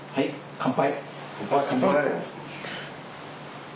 乾杯。